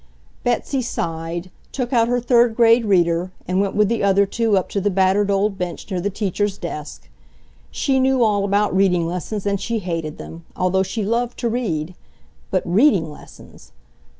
Betsy sighed, took out her third grade reader, and went with the other two up to the battered old bench near the teacher's desk. She knew all about reading lessons and she hated them, although she loved to read. But reading lessons...!